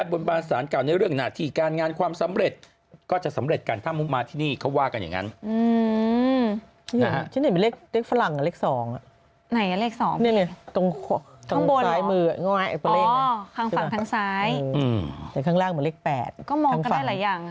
ก็มองกันได้หลายอย่างครับเป็นเลขไทยก็ได้ฝั่งขวาเหมือนเลข๘เลข๘ไทย